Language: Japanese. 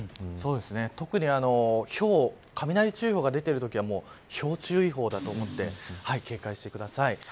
特にひょう雷注意報が出ているときはひょう注意報だと思って警戒してください。